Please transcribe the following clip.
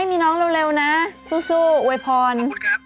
ให้มีน้องเร็วนะสู้โว้ยพร